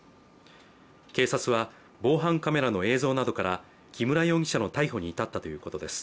警察は、防犯カメラの映像などから木村容疑者の逮捕に至ったということです。